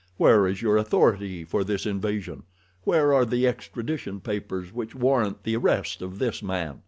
Where is your authority for this invasion? Where are the extradition papers which warrant the arrest of this man?